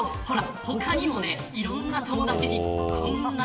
他にもいろんな友達にこんなに。